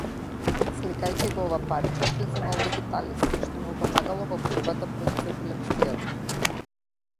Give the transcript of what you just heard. Сликајќи го ова парче, тој земал дигиталис, што му помагало во бората против епилепсијата.